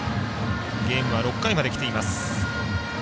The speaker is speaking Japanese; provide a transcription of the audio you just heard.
ゲームは６回まできています。